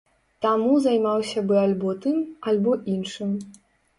Таму займаўся бы альбо тым, альбо іншым.